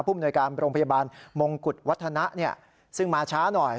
มนวยการโรงพยาบาลมงกุฎวัฒนะซึ่งมาช้าหน่อย